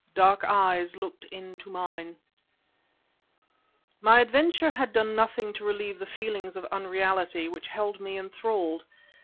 DARK EYES LOOKED INTO MINE My adventure had done nothing to relieve the feeling of unreality which held me enthralled.